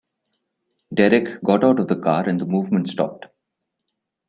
Derek got out of the car and the movement stopped.